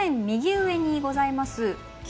右上にございます